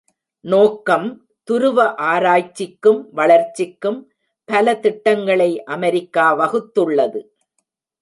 நோக்கம் துருவ ஆராய்ச்சிக்கும் வளர்ச்சிக்கும் பல திட்டங்களை அமெரிக்கா வகுத்துள்ளது.